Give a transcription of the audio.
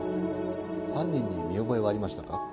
犯人に見覚えはありましたか？